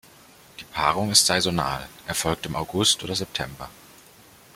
Die Paarung ist saisonal, erfolgt im August oder September.